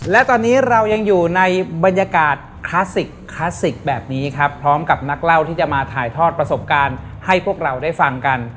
และตอนนี้เรายังอยู่ในบรรยากาศคลาสสิกคลาสสิกแบบนี้ครับพร้อมกับนักเล่าที่จะมาถ่ายทอดประสบการณ์ให้พวกเราได้ฟังกัน